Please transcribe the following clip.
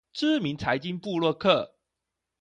知名財經部落客